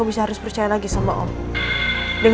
tolong kamu awasi nadine